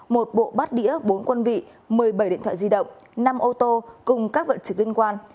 một bộ bắt đĩa bốn quân vị một mươi bảy điện thoại di động năm ô tô cùng các vận trực liên quan